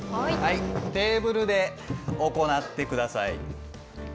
テーブルで行ってください。